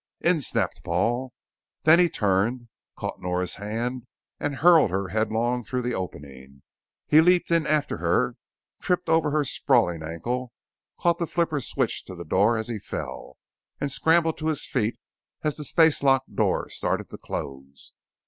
"In!" snapped Paul. Then he turned, caught Nora's hand, and hurled her headlong through the opening. He leaped in after her, tripped over her sprawling ankle, caught the flipper switch to the door as he fell, and scrambled to his feet as the spacelock door started to close.